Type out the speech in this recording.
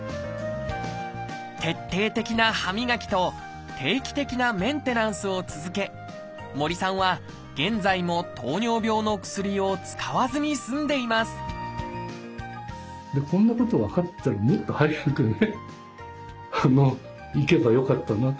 徹底的な歯磨きと定期的なメンテナンスを続け森さんは現在も糖尿病の薬を使わずに済んでいますというふうに本当感謝感謝ですね。